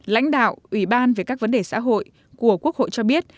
lãnh đạo ủy ban về các vấn đề xã hội của quốc hội cho biết